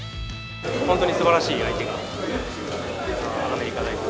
本当にすばらしい相手がアメリカ代表。